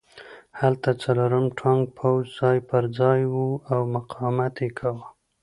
هلته څلورم ټانک پوځ ځای پرځای و او مقاومت یې کاوه